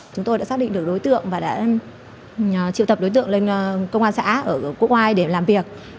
chúng tôi đã xác định được đối tượng và đã triệu tập đối tượng lên công an xã ở quốc oai để làm việc